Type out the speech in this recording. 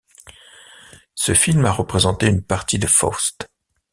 Ce film a représenté une partie de Faust.